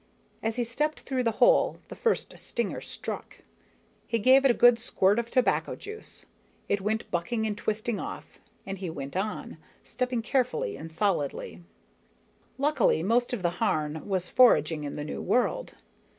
As he stepped through the hole, the first stinger struck. He gave it a good squirt of tobacco juice. It went bucking and twisting off and he went on, stepping carefully and solidly. Luckily, most of the Harn was foraging in the new world.